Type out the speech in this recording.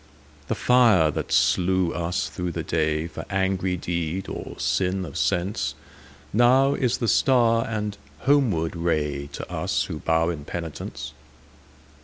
The fire that slew us through the dayFor angry deed or sin of senseNow is the star and homeward rayTo us who bow in penitence.